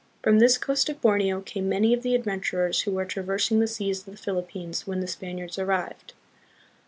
From this coast of Borneo came many of the adventurers who were traversing the seas of the Philippines when the Spaniards arrived.